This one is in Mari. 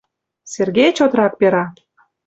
Сергей чотрак пера: